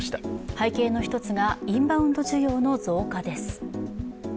背景の一つがインバウンド需要の増加です。